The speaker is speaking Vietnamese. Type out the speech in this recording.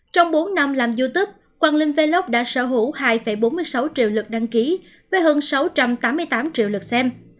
trong bốn năm làm youtube quang linh vlog đã sở hữu hai bốn mươi sáu triệu lượt đăng ký với hơn sáu trăm tám mươi tám triệu lượt xem